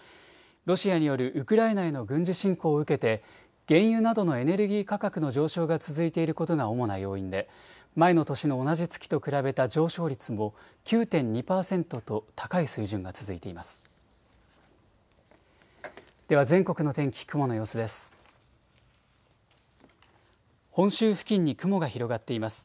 ロシアによるウクライナへの軍事侵攻を受けて原油などのエネルギー価格の上昇が続いていることが主な要因で前の年の同じ月と比べた上昇率も９．２％と高い水準が続いています。